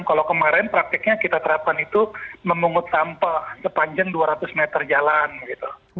kalau kemarin praktiknya kita terapkan itu memungut sampah sepanjang dua ratus meter jalan gitu